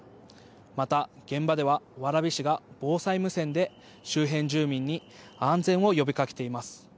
また現場では蕨市が防災無線で周辺住民に安全を呼びかけています。